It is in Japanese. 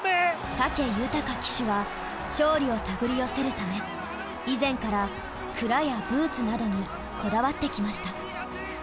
武豊騎手は勝利を手繰り寄せるため以前から鞍やブーツなどにこだわってきました。